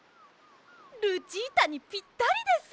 ルチータにぴったりです！